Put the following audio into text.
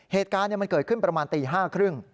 เหตุการณ์มันเกิดขึ้นประมาณตี๕๓๐